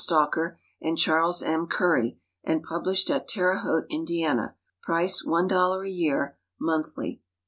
Stalker and Charles M. Curry, and published atTerre Haute, Indiana, price $1.00 a year, monthly.